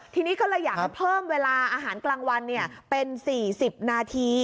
ทีนี้ก็เลยอยากให้เพิ่มเวลาอาหารกลางวันเป็น๔๐นาที